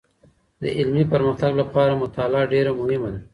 د علمي پرمختګ لپاره مطالعه ډېر مهمه ده.